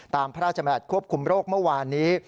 ตามพระราชมัติควบคุมโรคเมื่อวานนี้